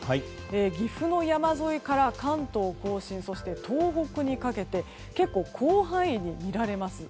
岐阜の山沿いから関東・甲信そして東北にかけて結構、広範囲で見られます。